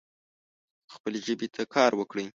خپلې ژبې ته کار وکړئ